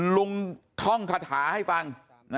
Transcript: ลุงท่องขาดหาให้ฟัง